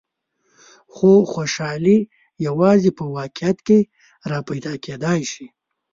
خو خوشحالي یوازې په واقعیت کې را پیدا کېدای شي.